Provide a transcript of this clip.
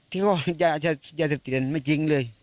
ที่ก็ยาเสพติดนั้นไม่จริงเลย